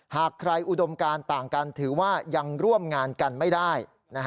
หากใครอุดมการต่างกันถือว่ายังร่วมงานกันไม่ได้